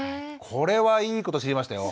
これはいいこと知りましたよ。